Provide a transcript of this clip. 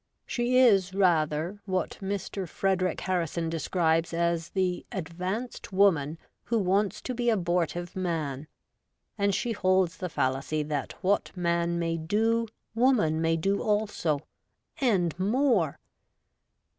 She is rather what Mr. Frederic Harrison describes as the ' advanced woman who wants to be abortive WOMAN UP TO DATE. 13 man,' and she holds the fallacy that what man may do woman may do also — and more